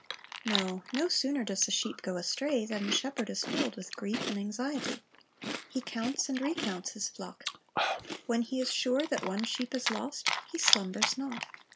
No; no sooner does the sheep go astray than the shepherd is filled with grief and anxiety. He counts and recounts the flock. When he is sure that one sheep is lost, he slumbers not.